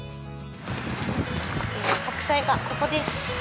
白菜がここです。